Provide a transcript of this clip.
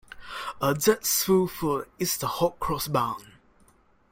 A zestful food is the hot-cross bun.